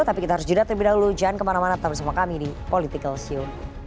tapi kita harus jeda terlebih dahulu jangan kemana mana tetap bersama kami di political show